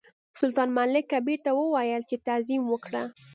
سلطان ملک کبیر ته وویل چې تعظیم وکړه.